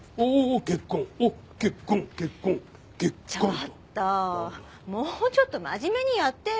ちょっとぉもうちょっと真面目にやってよ。